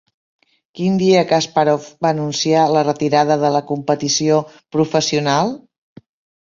Quin dia Kaspàrov va anunciar la retirada de la competició professional?